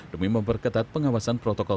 demi memperketat pengawasan protokol